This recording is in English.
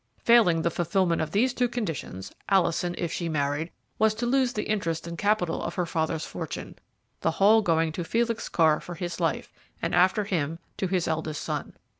Failing the fulfilment of these two conditions, Alison, if she married, was to lose the interest and capital of her father's fortune, the whole going to Felix Carr for his life, and after him to his eldest son.